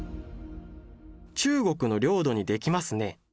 中国の領土にできますね。